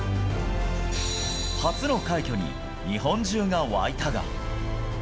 初の快挙に、日本中が沸いたが。